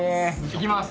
いきます。